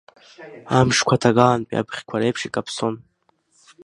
Амшқәа ҭагалантәи абӷьқәа реиԥш икаԥсон.